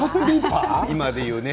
今で言うね。